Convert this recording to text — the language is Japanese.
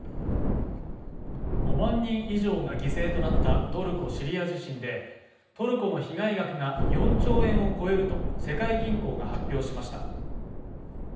５万人以上が犠牲となったトルコ・シリア地震でトルコの被害額が４兆円を超えると、世界銀行が発表しました。